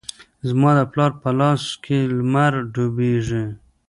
زما د پلار په لاس کې لمر ډوبیږې